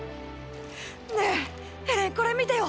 ねぇエレンこれ見てよ。